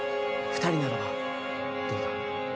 二人ならばどうだ？